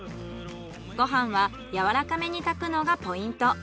ご飯はやわらかめに炊くのがポイント。